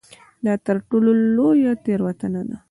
دا تر ټولو لویه تېروتنه ده.